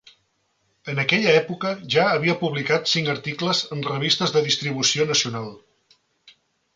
En aquella època ja havia publicat cinc articles en revistes de distribució nacional.